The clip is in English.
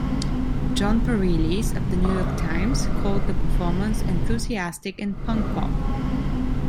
Jon Pareles of "The New York Times" called the performance enthusiastic and punk-pop.